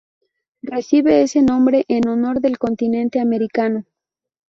Recibe ese nombre en honor del continente americano.